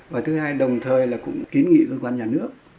và thứ hai đồng thời là cũng kiến nghị cơ quan nhà nước